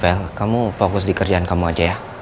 vel kamu fokus di kerjaan kamu aja ya